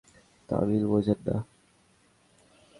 তামিল বোঝেন না?